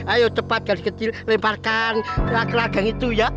ayo cepat gak kecil lemparkan keranjang itu ya